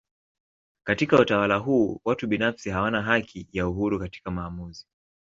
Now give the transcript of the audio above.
Katika utawala huu watu binafsi hawana haki na uhuru katika maamuzi.